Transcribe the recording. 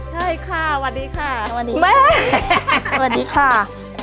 ใช่ค่ะวันนี้ค่ะ